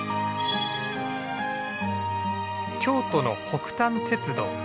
京都の北丹鉄道。